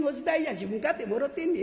自分かてもろてんねん。